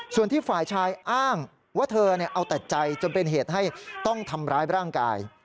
ส่วนที่ฝ่ายชายอ้างว่าเธอเอาแต่ใจจนเป็นเหตุให้ต้องทำร้ายร่างกาย